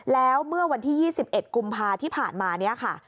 แล้วเมื่อวันที่๒๑กุมภาที่ผ่านมานี้ค่ะ